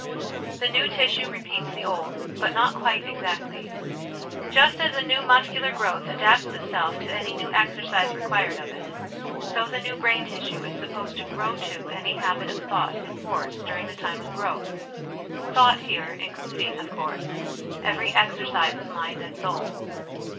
The new tissue repeats the old, but not quite exactly. Just as a new muscular growth adapts itself to any new exercise required of it, so the new brain Il6 HOME EDUCATION tissue is supposed to ' grow to ' any habit of thought in force during the time of growth ' thought ' here including, of course, every exercise of mind and soul.